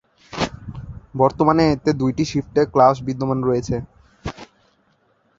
বর্তমানে এতে দুইটি শিফটে ক্লাস বিদ্যমান রয়েছে।